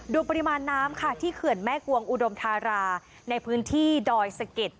ปริมาณน้ำค่ะที่เขื่อนแม่กวงอุดมธาราในพื้นที่ดอยสะเก็ด